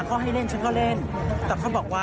อาจารย์ขอสิดท้ายค่ะ